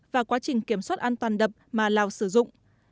và quá trình kiểm soát an toàn đập mà lào sử dụng